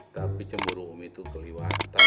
tapi cemburu umi tuh keliwatan